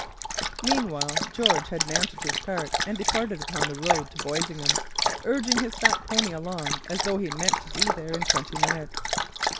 Meanwhile George had mounted his cart and departed upon the road to Boisingham, urging his fat pony along as though he meant to be there in twenty minutes.